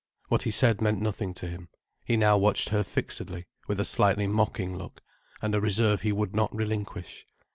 What he said meant nothing to him. He now watched her fixedly, with a slightly mocking look, and a reserve he would not relinquish.